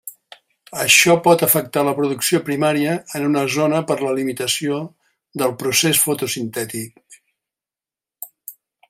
Això pot afectar la producció primària en una zona per la limitació del procés fotosintètic.